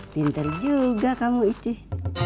pinter juga kamu isih